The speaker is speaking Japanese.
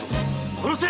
殺せ！